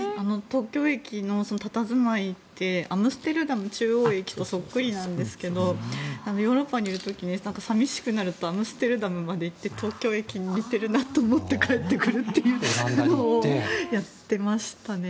東京駅の佇まいってアムステルダム中央駅とそっくりなんですがヨーロッパにいる時に寂しくなるとアムステルダムまで行って東京駅に似ているなと思って帰ってくるっていうことをやっていましたね。